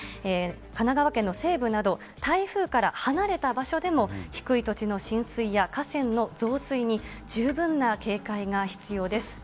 神奈川県の西部など、台風から離れた場所での低い土地の浸水や河川の増水に十分な警戒が必要です。